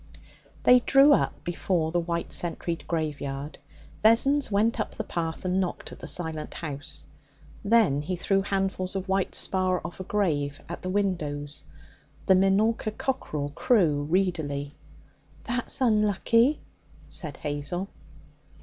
They drew up before the white sentried graveyard. Vessons went up the path and knocked at the silent house. Then he threw handfuls of white spar off a grave at the windows. The Minorca cockerel crew reedily. 'That's unlucky,' said Hazel.